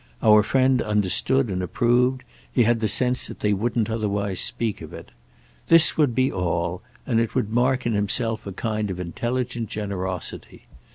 Our friend understood and approved; he had the sense that they wouldn't otherwise speak of it. This would be all, and it would mark in himself a kind of intelligent generosity.